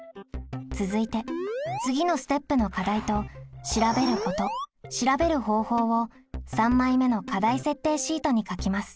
続いて次のステップの課題と「調べること」「調べる方法」を３枚目の課題設定シートに書きます。